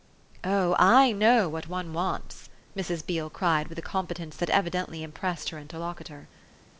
"Oh I know what one wants!" Mrs. Beale cried with a competence that evidently impressed her interlocutor.